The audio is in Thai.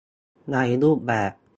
ในรูปแบบ